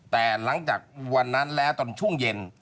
แต่หลังจากวันนั้นแล้วตอนช่วงเย็น